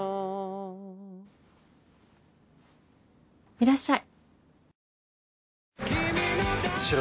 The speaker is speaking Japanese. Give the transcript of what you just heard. いらっしゃい。